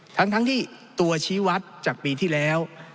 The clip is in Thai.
ทั้งที่ตัวชี้วัดจากปีที่แล้ว